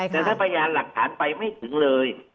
แต่ถ้าพยานหลักฐานไปไม่ถึงเลย